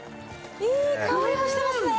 いい香りもしてますね！